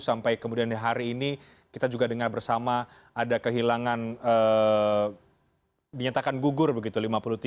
sampai kemudian hari ini kita juga dengar bersama ada kehilangan dinyatakan gugur begitu